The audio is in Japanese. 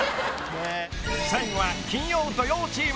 ［最後は金曜・土曜チーム］